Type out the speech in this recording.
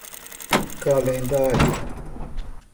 calendário